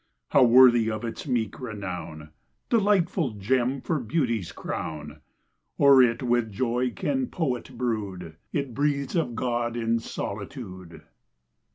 How worthy of its meek renown! Delightful gem for beauty's crown. O'er it with joy can poet brood; It breathes of God in solitude.